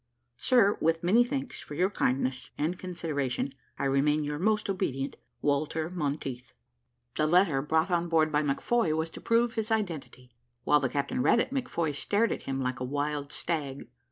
Sir, with many thanks for your kindness and consideration, "I remain, your most obedient, "WALTER MONTEITH." The letter brought on board by McFoy was to prove his identity. While the captain read it, McFoy stared about him like a wild stag.